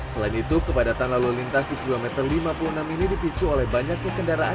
selain itu kepadatan lalu lintas di kilometer lima puluh enam ini dipicu oleh banyaknya kendaraan